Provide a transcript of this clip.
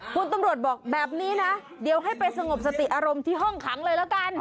คุณตำรวจบอกแบบนี้นะเดี๋ยวให้ไปสงบสติอารมณ์ที่ห้องขังเลยละกัน